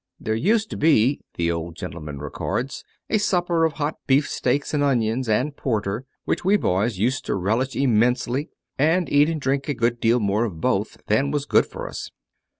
"There used to be," the old gentleman records, "a supper of hot beafsteaks and onions, and porter, which we boys used to relish immensely, and eat and drink a good deal more of both than was good for us."